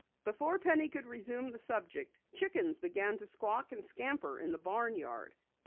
Before Penny could resume the subject, chickens began to squawk and scatter in the barn yard.